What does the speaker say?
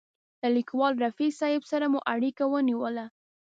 له لیکوال رفیع صاحب سره مو اړیکه ونیوله.